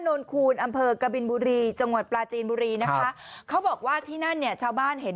นนคูณอำเภอกบินบุรีจังหวัดปลาจีนบุรีนะคะเขาบอกว่าที่นั่นเนี่ยชาวบ้านเห็น